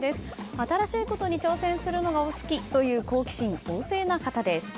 新しいことに挑戦するのがお好きという好奇心旺盛な方です。